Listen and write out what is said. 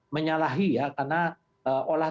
menyalahi karena olah